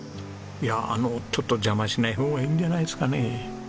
いやあのちょっと邪魔しない方がいいんじゃないですかね？